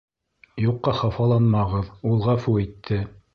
Юҡҡа хафаланмағыҙ, ул ғәфү итте